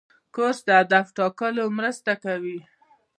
کورس د هدف ټاکلو مرسته کوي.